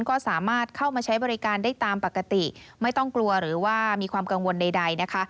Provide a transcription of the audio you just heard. ก็สามารถเข้ามาใช้บริการได้ตามปกติไม่ต้องกลัวหรือว่ามีความกังวลใดนะคะ